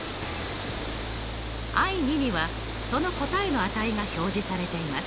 Ｉ２にはその答えの値が表示されています。